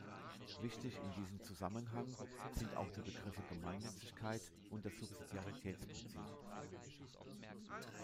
Wichtig in diesem Zusammenhang sind auch die Begriffe „Gemeinnützigkeit“ und das „Subsidiaritätsprinzip“.